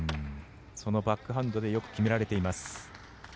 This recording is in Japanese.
そのバックハンドでよく決められています。